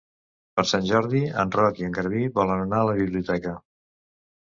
Per Sant Jordi en Roc i en Garbí volen anar a la biblioteca.